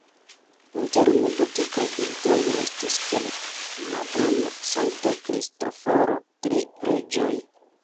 Interne gotikaj bildoj restis, kiel Madono, Sankta Kristoforo, Tri reĝoj.